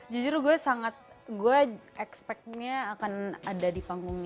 jujur gue sangat gue ekspeknya akan ada di panggungnya